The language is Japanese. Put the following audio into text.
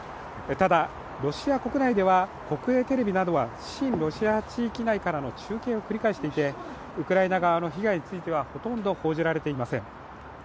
ただロシア国内では国営テレビなどは親ロシア派地域内からの中継を繰り返していてウクライナ側の被害についてはほとんど報じられていません。